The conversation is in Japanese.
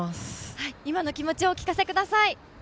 今の気持ちをお聞かせください。